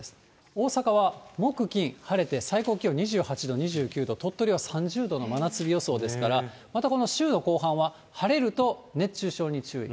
大阪は木、金、晴れて、最高気温２８度、２９度、鳥取は３０度の真夏日予想ですから、またこの週の後半は、晴れると熱中症に注意。